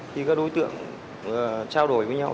thì các đối tượng trao đổi với nhau